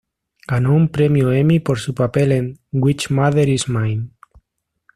Ganó un Premio Emmy por su papel en "Which Mother Is Mine?